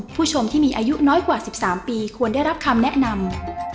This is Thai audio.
ผู้ชมที่มีอายุน้อยกว่า๑๓ปีควรได้รับคำแนะนำ